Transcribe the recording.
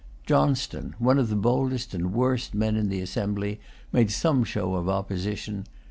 Johnstone, one of the boldest and worst men in the assembly, made some show of opposition.